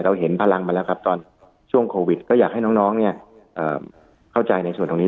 เราเห็นพลังไปแล้วช่วงโควิดก็อยากให้น้องเข้าใจในส่วนตรงนี้